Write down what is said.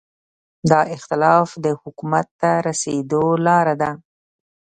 دا اختلاف د حکومت ته رسېدو لاره ده.